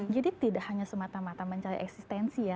jadi tidak hanya semata mata mencari eksistensi ya